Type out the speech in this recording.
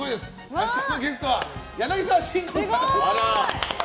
明日のゲストは、柳沢慎吾さん。